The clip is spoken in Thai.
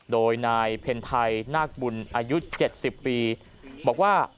โดยนายเพ็ญไทยนาคบุญอายุ๗๐ปีบอกว่า